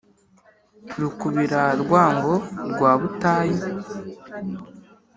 rukubira-rwango rwa butayi